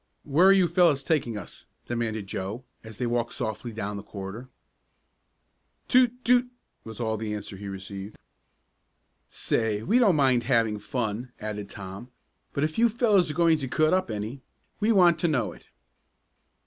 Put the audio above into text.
"Where are you fellows taking us?" demanded Joe, as they walked softly down the corridor. "Toot Toot!" was all the answer he received. "Say, we don't mind having fun," added Tom, "but if you fellows are going to cut up any, we want to know it."